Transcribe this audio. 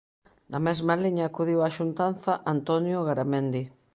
Na mesma liña acudiu á xuntanza Antonio Garamendi.